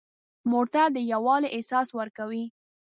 موټر د یووالي احساس ورکوي.